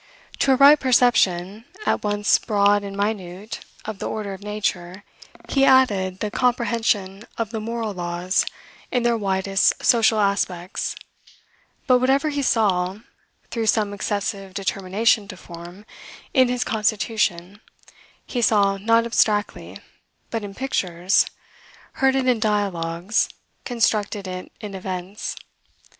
To a right perception, at once broad and minute, of the order of nature, he added the comprehension of the moral laws in their widest social aspects; but whatever he saw, through some excessive determination to form, in his constitution, he saw not abstractly, but in pictures, heard it in dialogues, constructed it in events.